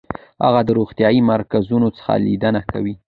هغه د روغتیايي مرکزونو څخه لیدنه کوي.